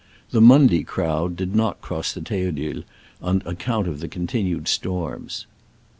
The Monday crowd * did not cross the Theodule, on account of the continued storms.